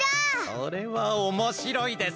それはおもしろいですね！